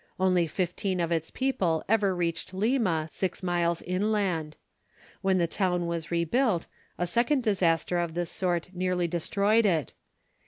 Only fifteen of its people ever reached Lima, six miles inland. When the town was rebuilt, a second disaster of this sort nearly destroyed it.